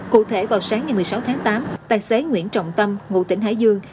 cụ thể vào sáng ngày một mươi sáu tháng tám tài xế nguyễn trọng tâm ngụ tỉnh hải dương